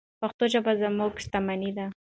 پښتو ژبه زموږ شتمني ده.